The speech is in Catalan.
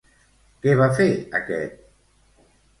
Què va fer aquest?